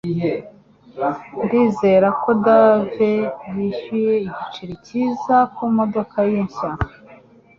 Ndizera ko Dave yishyuye igiceri cyiza kumodoka ye nshya.